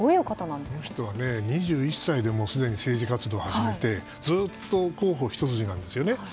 彼女は２１歳でもうすでに政治活動を始めてずっと広報一筋なんですね。